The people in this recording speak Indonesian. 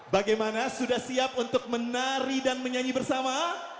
bagaimana sudah siap untuk menari dan menyanyi bersama